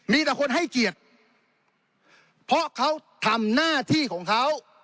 มีแต่คนให้เกียรติเพราะเขาทำหน้าที่ของเขา